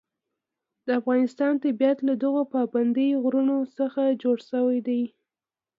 د افغانستان طبیعت له دغو پابندي غرونو څخه جوړ شوی دی.